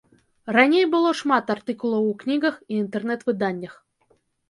Раней было шмат артыкулаў у кнігах і інтэрнэт-выданнях.